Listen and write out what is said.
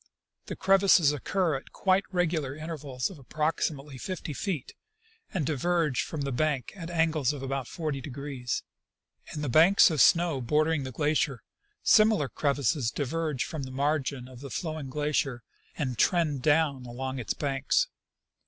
The crevasses occur at quite regular intervals of approximately fifty feet, and diverge from the bank at angles of about 40°. In the banks of snow bordering the glacier similar crevasses diverge from the margin of the flowing glacier and trend down along its banks.